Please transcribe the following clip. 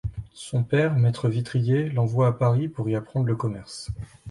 Son père, maître vitrier, l'envoie à Paris pour y apprendre le commerce.